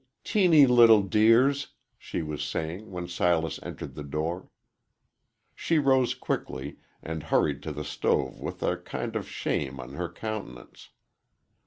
"Teenty little dears!" she was saying when Silas entered the door. She rose quickly, and hurried to the stove with a kind of shame on her countenance.